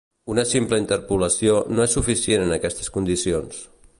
Una simple interpolació, no és suficient en aquestes condicions.